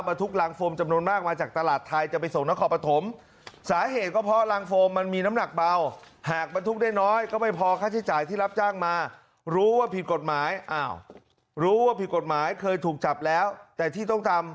มันทุกข์ลางโฟมจำนวนมากมาจากตลาดไทยจะไปส่งนะครพฐม